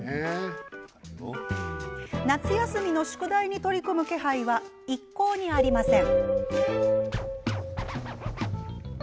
夏休みの宿題に取り組む気配は一向にありません。